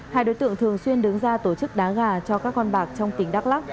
hai đối tượng thường xuyên đứng ra tổ chức đá gà cho các con bạc trong tỉnh đắk lắc